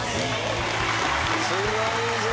すごいぞ。